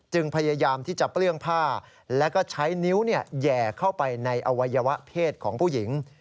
พยายามที่จะเปลื้องผ้าแล้วก็ใช้นิ้วแหย่เข้าไปในอวัยวะเพศของผู้หญิง